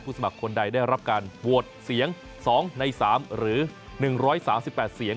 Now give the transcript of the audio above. สมัครคนใดได้รับการโหวตเสียง๒ใน๓หรือ๑๓๘เสียง